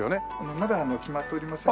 まだ決まっておりませんが。